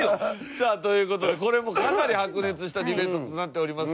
さあという事でこれもかなり白熱したディベートとなっております。